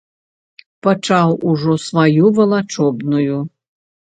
Пачаў ужо сваю валачобную!